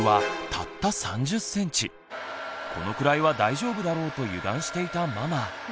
このくらいは大丈夫だろうと油断していたママ。